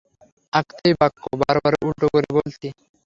আঁকতই বাক্য বারবার উলটো করে বলছি।